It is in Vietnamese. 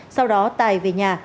sau đó tài về nhà